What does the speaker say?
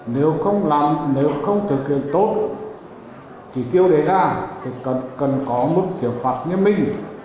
nếu không thực hiện tốt chỉ tiêu đề ra thì cần có mức thiểu phạt nhân minh